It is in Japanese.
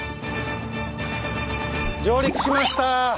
上陸しました！